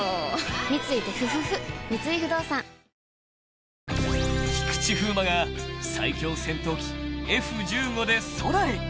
三井不動産［菊池風磨が最強戦闘機Ｆ−１５で空へ］